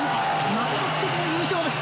まこと奇跡の優勝です。